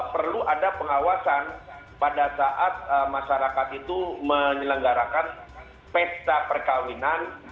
perlu ada pengawasan pada saat masyarakat itu menyelenggarakan pesta perkawinan